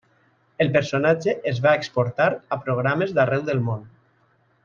El personatge es va exportar a programes d'arreu del món.